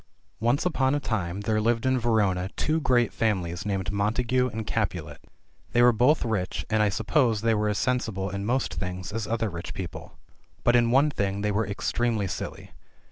ONCE upon a time there lived in Verona two great families named Montagu and Capulet. They were both rich, and I suppose they were as* sensible, in most things, as other rich people. But in one thing they were extremely silly.